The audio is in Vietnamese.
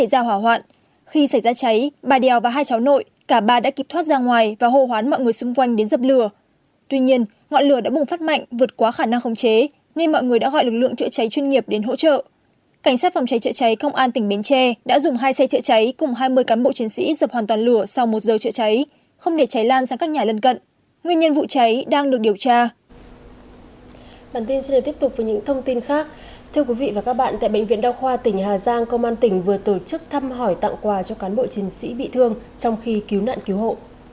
thưa quý vị và các bạn tại bệnh viện đao khoa tỉnh hà giang công an tỉnh vừa tổ chức thăm hỏi tặng quà cho cán bộ chiến sĩ bị thương trong khi cứu nạn cứu hộ